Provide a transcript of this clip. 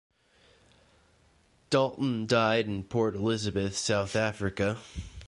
Dalton died in Port Elizabeth, South Africa.